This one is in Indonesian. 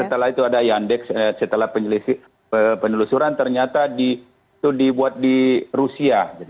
setelah itu ada yandex setelah penelusuran ternyata itu dibuat di rusia